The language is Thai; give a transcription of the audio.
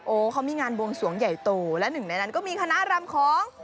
เขามีงานบวงสวงใหญ่โตและหนึ่งในนั้นก็มีคณะรำของ